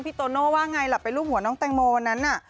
พี่โตโน่ว่าไงล่ะไปลูบหัวน้องแตงโมวันนั้น